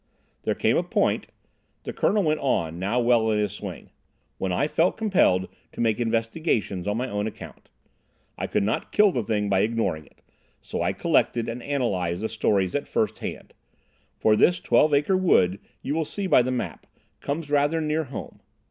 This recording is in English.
"There came a point," the Colonel went on, now well in his swing, "when I felt compelled to make investigations on my own account. I could not kill the thing by ignoring it; so I collected and analysed the stories at first hand. For this Twelve Acre Wood, you will see by the map, comes rather near home.